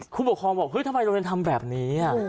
ผู้ปกครองบอกเฮ้ยทำไมโรงเรียนทำแบบนี้